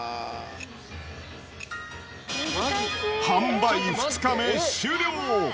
販売２日目終了。